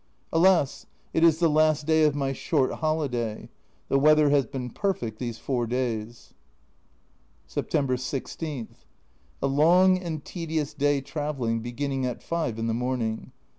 Alas, it is the last day of my short holiday. The weather has been perfect these four days. September 16. A long and tedious day travelling, beginning at 5 in the morning.